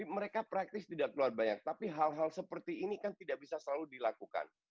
mereka praktis tidak keluar banyak tapi hal hal seperti ini kan tidak bisa selalu dilakukan